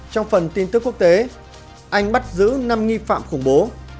trong phần tin tức quốc tế anh bắt giữ năm nghi phạm khủng bố